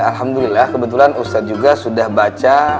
alhamdulillah kebetulan ustadz juga sudah baca